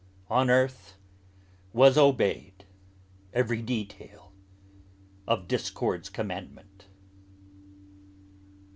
On earth was obeyed every detail of Discord's commandment."